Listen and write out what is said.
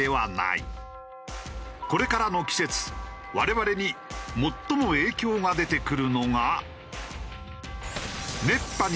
これからの季節我々に最も影響が出てくるのが。